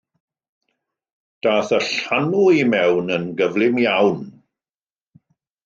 Daeth y llanw i mewn yn gyflym iawn.